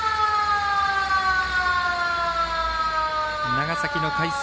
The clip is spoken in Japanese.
長崎の海星。